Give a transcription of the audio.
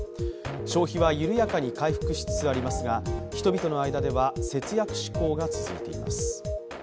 消費は緩やかに回復しつつありますが人々の間では、節約志向が続いています。